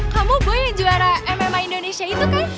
kamu boy yang juara mma indonesia itu kan